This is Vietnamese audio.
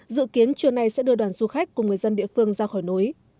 dự kiến trưa nay sẽ đưa đoàn du khách cùng người dân địa phương ra khỏi núi